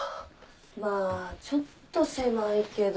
まあちょっと狭いけど。